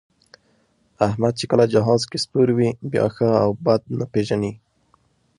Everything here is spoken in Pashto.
احمد چې کله جهاز کې سپور وي، بیا ښه او بد نه پېژني.